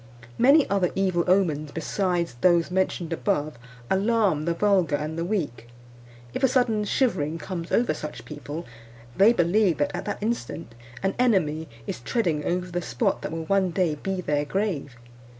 Many other evil omens besides those mentioned above alarm the vulgar and the weak. If a sudden shivering comes over such people, they believe that, at that instant, an enemy is treading over the spot that will one day be their grave.